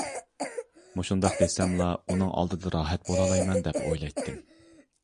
مۇشۇنداق دېسەملا ئۇنىڭ ئالدىدا راھەت بولالايمەن دەپ ئويلايتتىم.